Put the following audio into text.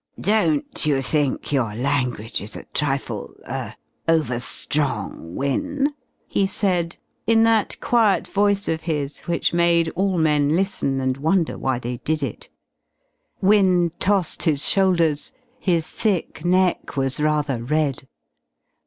"Don't you think your language is a trifle er overstrong, Wynne?" he said, in that quiet voice of his which made all men listen and wonder why they did it. Wynne tossed his shoulders. His thick neck was rather red.